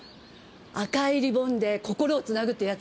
「赤いリボンで心を繋ぐ」ってやつ。